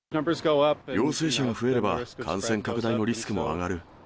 陽性者が増えれば、感染拡大のリスクも上がる。